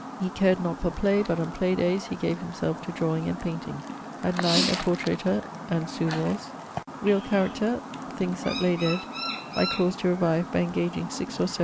He cared not for play, but on play dayes he gave himselfe to drawing and painting. At 9, a pourtraiter; and soon was.... Reall character, lay dead, I caused to revive by engaging 6 or 7 ...